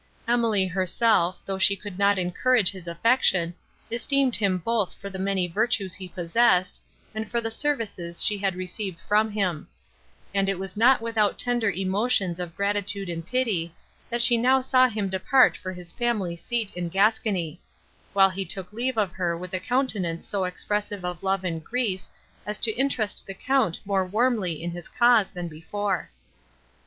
Emily herself, though she could not encourage his affection, esteemed him both for the many virtues he possessed, and for the services she had received from him; and it was not without tender emotions of gratitude and pity, that she now saw him depart for his family seat in Gascony; while he took leave of her with a countenance so expressive of love and grief, as to interest the Count more warmly in his cause than before.